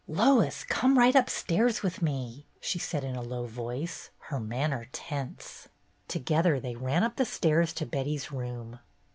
"Lois, come right upstairs with me," she said in a low voice, her manner tense. Together they ran up the stairs to Betty's room.